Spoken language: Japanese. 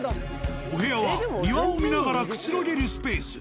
お部屋は庭を見ながらくつろげるスペース。